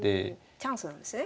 チャンスなんですね。